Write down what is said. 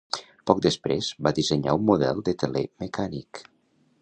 Poc després, va dissenyar un model de teler mecànic.